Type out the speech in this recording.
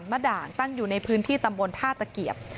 ด่างตั้งอยู่ในพื้นที่ตำบลท่าตะเกียบ